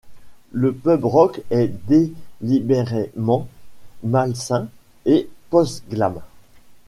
Le pub rock est délibérément malsain et post-glam.